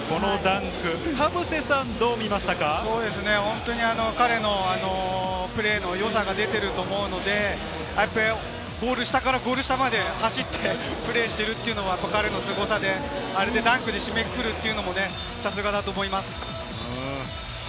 田臥さん、どう見ました彼のプレーの良さが出ていると思うので、ゴール下からゴール下まで走ってプレーしているっていうのは、彼のすごさで、ダンクで締めくくるのもさすがだと思います。